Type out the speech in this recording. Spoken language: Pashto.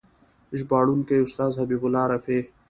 ژباړونکی: استاد حبیب الله رفیع